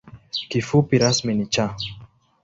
Kifupi rasmi ni ‘Cha’.